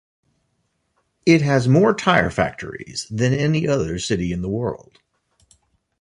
It has more tire factories than any other city in the world.